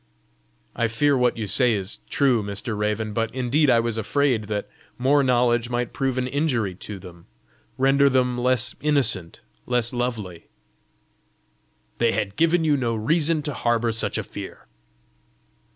"I fear what you say is true, Mr. Raven! But indeed I was afraid that more knowledge might prove an injury to them render them less innocent, less lovely." "They had given you no reason to harbour such a fear!"